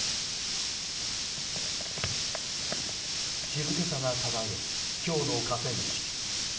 静けさが漂う、今日の河川敷。